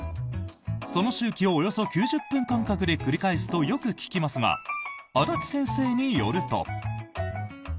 その周期をおよそ９０分間隔で繰り返すとよく聞きますが安達先生によると。